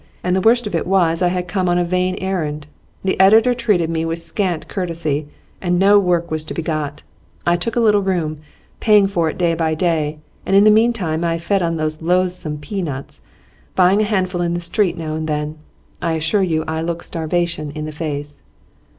And the worst of it was I had come on a vain errand; the editor treated me with scant courtesy, and no work was to be got. I took a little room, paying for it day by day, and in the meantime I fed on those loathsome pea nuts, buying a handful in the street now and then. And I assure you I looked starvation in the face.